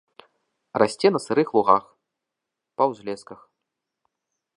Расце на сырых лугах, па ўзлесках.